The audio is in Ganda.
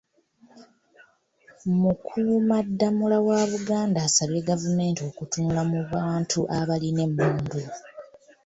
Mukuumaddamula wa Buganda asabye gavumenti okutunula mu bantu abalina emmundu.